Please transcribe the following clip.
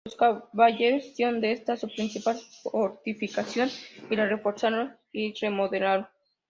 Los Caballeros hicieron de ella su principal fortificación y la reforzaron y remodelaron.